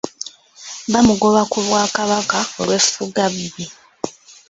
Baamugoba ku bwakabaka olw’effugabbi.